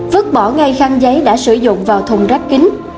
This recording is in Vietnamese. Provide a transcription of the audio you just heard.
vứt bỏ ngay khăn giấy đã sử dụng vào thùng rác kính